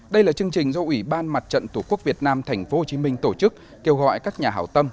đây là chương trình do ủy ban mặt trận tổ quốc việt nam tp hcm tổ chức kêu gọi các nhà hào tâm